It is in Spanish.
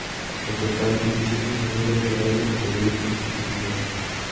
En total, diecisiete ingenieros de audio contribuyeron en su composición.